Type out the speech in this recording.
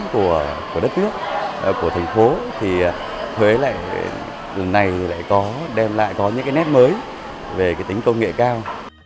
của đất nước của thành phố thì huế lần này lại có đem lại có những cái nét mới về cái tính công nghệ cao